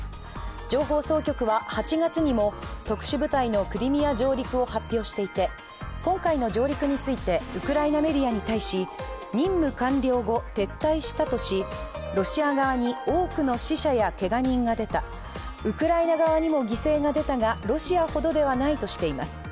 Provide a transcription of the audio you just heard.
情報総局は８月にも特殊部隊のクリミア上陸を発表していて、今回の上陸について、ウクライナメディアに対し任務完了後、撤退したとしロシア側に多くの死者やけが人が出た、ウクライナ側にも犠牲が出たが、ロシアほどではないとしています。